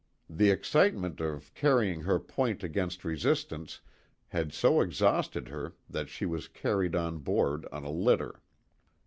The excitement of carrying her point 142 THE TWO WILLS. against resistance had so exhausted her that she was carried on board on a litter.